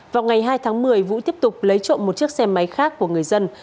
vào ngày hai tháng một mươi vũ tiếp tục lấy trộm một chiếc xe máy khác của người dân